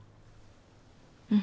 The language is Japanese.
うん。